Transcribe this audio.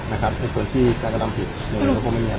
ในส่วนจังงงงงปั่น